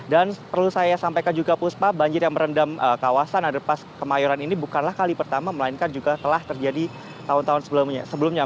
dan perlu saya sampaikan juga puspa banjir yang merendam kawasan underpass kemayoran ini bukanlah kali pertama melainkan juga telah terjadi tahun tahun sebelumnya